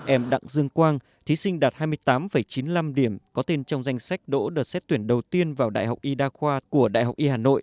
em đặng dương quang thí sinh đạt hai mươi tám chín mươi năm điểm có tên trong danh sách đỗ đợt xét tuyển đầu tiên vào đại học y đa khoa